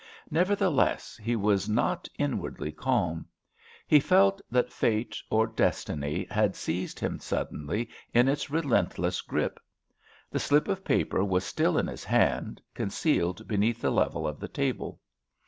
Nevertheless, he was not inwardly calm. He felt that fate, or destiny, had seized him suddenly in its relentless grip. The slip of paper was still in his right hand, concealed beneath the level of the table.